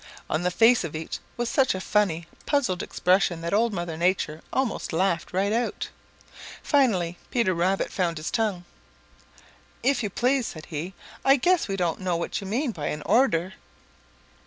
On the face of each was such a funny, puzzled expression that Old Mother Nature almost laughed right out. Finally Peter Rabbit found his tongue. "If you please," said he, "I guess we don't know what you mean by an order."